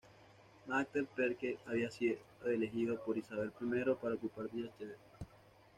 Matthew Parker había sido elegido por Isabel I para ocupar dicha sede.